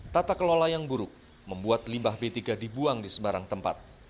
tata kelola yang buruk membuat limbah b tiga dibuang di sebarang tempat